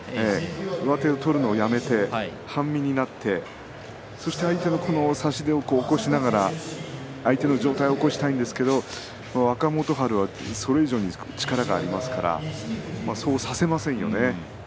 上手を取るのをやめて半身になってそして相手の差し手を起こしながら相手の上体を起こしたいんですけど若元春はそれ以上に力がありますからそうさせませんよね。